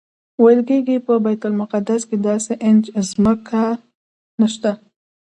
ویل کېږي په بیت المقدس کې داسې انچ ځمکه نشته.